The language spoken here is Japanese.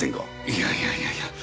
いやいやいやいや。